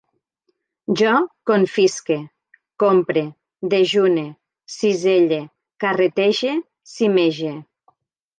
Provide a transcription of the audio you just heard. Jo confisque, compre, dejune, ciselle, carretege, cimege